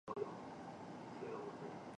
皇家阿尔伯特桥和塔马桥相邻。